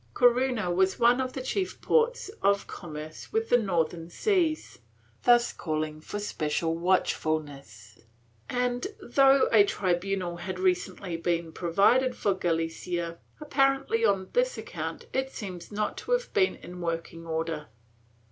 ^ Corufia was one of the chief ports of commerce with the northern seas, thus calling for special watchfulness, and, though a tribunal had recently been provided for Galicia, apparently on this account, it seems not to have been in working order.